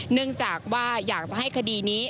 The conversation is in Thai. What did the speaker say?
เนื่องจากว่าอยากจะให้คดีนี้